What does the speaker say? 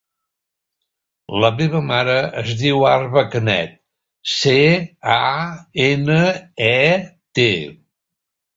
La meva mare es diu Arwa Canet: ce, a, ena, e, te.